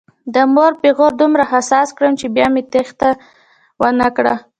د مور پیغور دومره حساس کړم چې بیا مې تېښته ونه کړه.